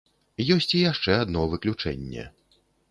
Ёсць і яшчэ адно выключэнне.